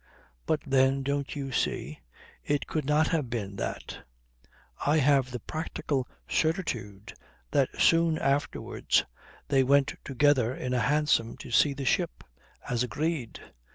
But then, don't you see, it could not have been that. I have the practical certitude that soon afterwards they went together in a hansom to see the ship as agreed.